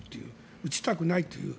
打ちたくないという。